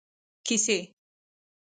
کیسۍ